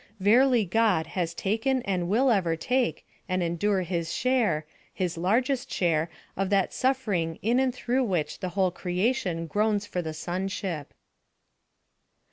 Verily God has taken and will ever take and endure his share, his largest share of that suffering in and through which the whole creation groans for the sonship.